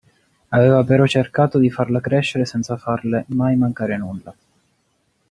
Aveva però cercato di farla crescere senza farle mai mancare nulla.